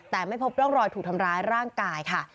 แต่ไม่พบร่องรอยถูกทำร้ายร่างกายค่ะ